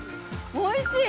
おいしい！